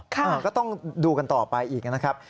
ก็ต้องดูกันต่อไปอีกนะครับ